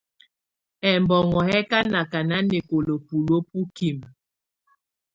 Ɛbɔnɔ̀ yɛ̀ kà nakà nanɛkɔ̀la buluǝ́ bukimǝ.